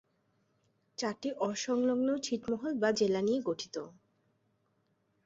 চারটি অসংলগ্ন ছিটমহল বা জেলা নিয়ে গঠিত।